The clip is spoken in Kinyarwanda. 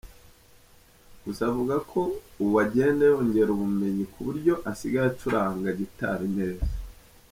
Gusa avuga ko ubu agenda yongera ubumenyi ku buryo asigaye acuranga gitari neza.